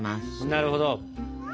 なるほど。